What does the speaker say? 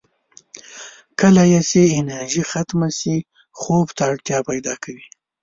کله یې چې انرژي ختمه شي، خوب ته اړتیا پیدا کوي.